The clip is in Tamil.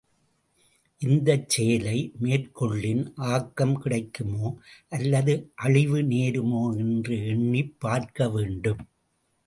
இந்தச் செயலை மேற்கொள்ளின், ஆக்கம் கிடைக்குமா அல்லது அழிவு நேருமா என்று எண்ணிப் பார்க்கவேண்டும்.